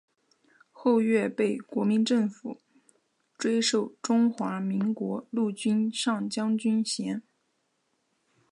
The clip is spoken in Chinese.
后岳被国民政府追授中华民国陆军上将军衔。